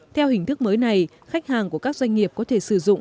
theo hình thức mới này khách hàng của các doanh nghiệp có thể sử dụng